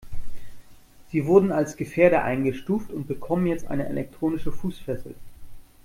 Sie wurden als Gefährder eingestuft und bekommen jetzt eine elektronische Fußfessel.